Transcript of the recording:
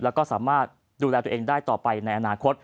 แล้วก็สามารถดูแลตัวเองได้ต่อไปในอนาคต